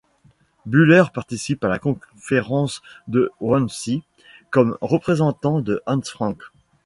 Bühler participe à la conférence de Wannsee comme représentant de Hans Frank.